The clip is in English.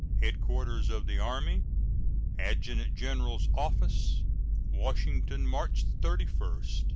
HEADQUARTERS OF THE ARMY, ADJUTANT GENERAL'S OFFICE, Washington, March 31, 1869.